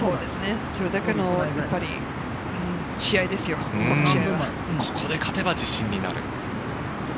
それだけの試合ですよ、ここで勝てば自信になる。